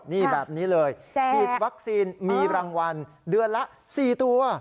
นี่แบบนี้เลยฉีดวัคซีนมีรางวัลเดือนละ๔ตัว